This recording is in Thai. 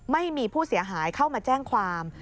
ไม่มีผู้เสียหายเข้ามาแจ้งความ